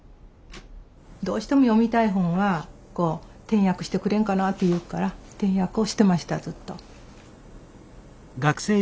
どうしても読みたい本は「点訳してくれんかな」と言うから点訳をしてましたずっと。